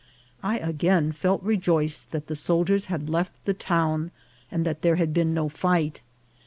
I again felt rejoiced that the soldiers had left the town and that there had been no fight.